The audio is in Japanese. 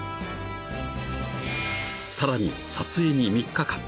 ［さらに撮影に３日間］